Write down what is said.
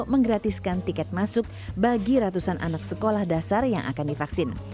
menggratiskan tiket masuk bagi ratusan anak sekolah dasar yang akan divaksin